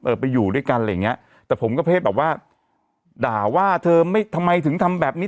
ไปอยู่ด้วยกันอะไรอย่างเงี้ยแต่ผมก็เพศแบบว่าด่าว่าเธอไม่ทำไมถึงทำแบบนี้